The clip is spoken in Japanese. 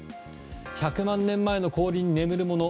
１００万年前の氷に眠るもの。